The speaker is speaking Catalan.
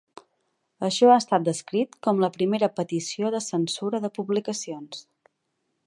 Això ha estat descrit com la primera petició de censura de publicacions.